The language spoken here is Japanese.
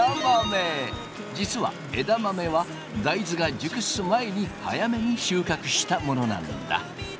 実は枝豆は大豆が熟す前に早めに収穫したものなんだ。